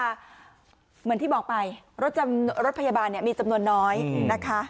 เหมือนที่บอกไปรถพยาบาลมีจำนวนน้อยนะคะ